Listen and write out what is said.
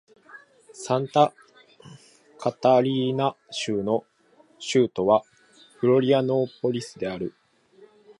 サンタカタリーナ州の州都はフロリアノーポリスである